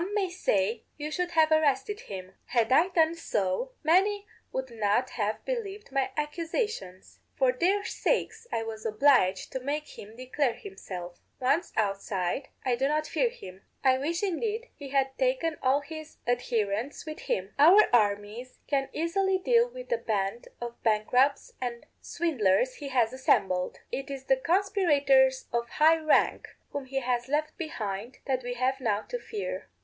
_Some may say, 'You should have arrested him.' Had I done so, many would not have believed my accusations. For their sakes I was obliged to make him declare himself. Once outside, I do not fear him; I wish indeed he had taken all his adherents with him. Our armies can easily deal with the band of bankrupts and swindlers he has assembled; it is the conspirators of high rank, whom he has left behind, that we have now to fear.